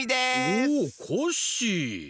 おっコッシー。